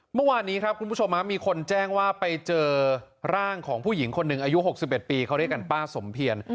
เมื่อวานนี้ครับคุณผู้ชมมีคนแจ้งว่าไปเจอร่างของผู้หญิงคนหนึ่งอายุ๖๑ปีเขาเรียกกันป้าสมเพียร